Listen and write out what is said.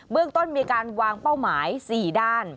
เรื่องต้นมีการวางเป้าหมาย๔ด้าน